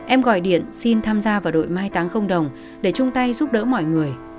em gọi điện xin tham gia vào đội mai táng không đồng để chung tay giúp đỡ mọi người